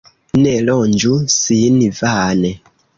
Ne ronĝu sin vane.